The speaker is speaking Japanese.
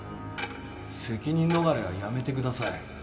責任逃れはやめてください。